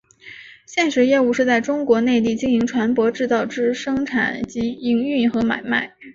现时业务是在中国内地经营船舶制造之生产及营运和买卖。